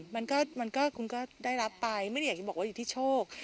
มันก็คุณก็ได้รับไปไม่ได้อยากจะบอกว่าอยู่ที่โชค